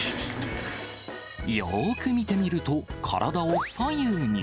よーく見てみると、体を左右に。